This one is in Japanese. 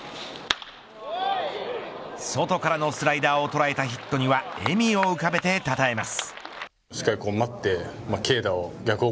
外からのスライダーを捉えたヒットには笑みを浮かべてたたえます。